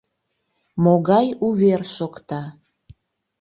Могай увер шокта?